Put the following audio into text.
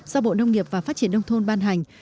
do bộ nông nghiệp và phát triển nông thôn ban hành